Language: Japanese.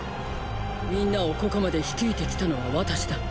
みんなをここまで率いてきたのは私だ。